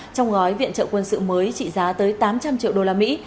trong gói viện trợ quân sự mới trị giá tới tám trăm linh triệu đô la mỹ